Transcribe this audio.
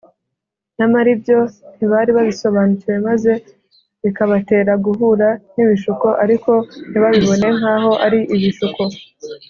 nyamara ibyo ntibari babisobanukiwe, maze bikabatera guhura n’ibishuko, ariko ntibabibone nk’aho ari ibishuko